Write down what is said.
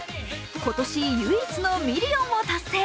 今年唯一のミリオンを達成。